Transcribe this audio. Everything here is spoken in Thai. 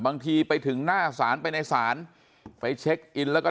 บางทีไปถึงหน้าศาลไปในศาลไปเช็คอินแล้วก็